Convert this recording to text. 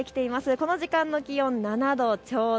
この時間の気温、７度ちょうど。